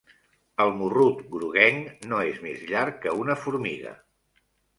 El morrut groguenc no és més llarg que una formiga.